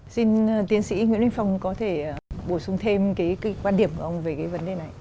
xin tiến sĩ nguyễn linh phong có thể bổ sung thêm cái quan điểm của ông về cái vấn đề này